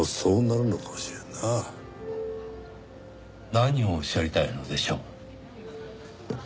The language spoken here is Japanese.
何をおっしゃりたいのでしょう？